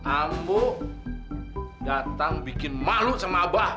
amuk datang bikin malu sama abah